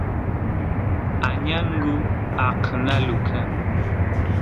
añangu aqnalu kan